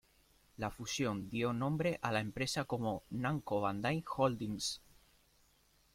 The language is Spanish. La fusión dio nombre a la empresa como Namco Bandai Holdings.